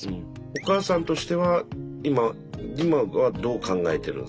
お母さんとしては今今はどう考えてるんですか？